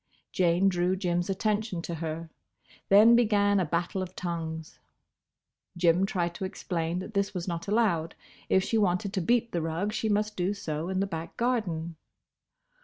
Jane drew Jim's attention to her. Then began a battle of tongues. Jim tried to explain that this was not allowed. If she wanted to beat the rug, she must do so in the back garden.